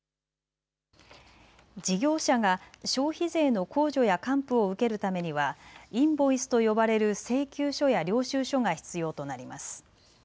事業者が消費税の控除や還付を受けるためにはインボイスと呼ばれる請求書や領収書が必要となります。